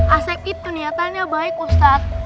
ah sep itu niatannya baik ustad